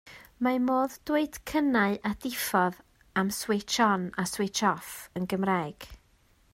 Mae modd dweud cynnau a diffodd am ‘switch on' a ‘switch off' yn Gymraeg.